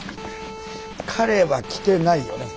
彼は来てないよね？